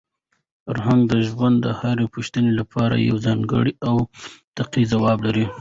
فرهنګ د ژوند د هرې پوښتنې لپاره یو ځانګړی او منطقي ځواب لري.